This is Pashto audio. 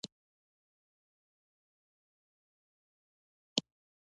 دوی په باور د انسانانو عمده برخه د ضلالت خوا ته روانیږي.